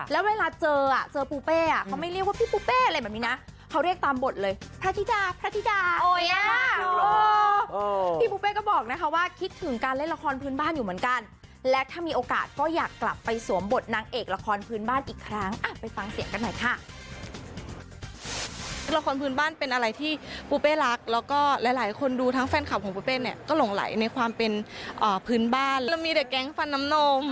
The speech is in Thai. แล้วเวลาเจออ่ะเจอปูเป้อ่ะเขาไม่เรียกว่าพี่ปูเป้อะไรแบบนี้นะ